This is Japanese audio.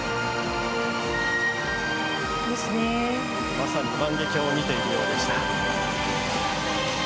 まさに万華鏡を見ているようでした。